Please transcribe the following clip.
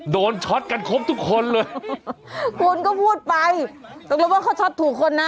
โดนชัดกันครบทุกคนเลยคุณก็พูดไปตรงนั้นว่าเขาชัดถูกคนนะ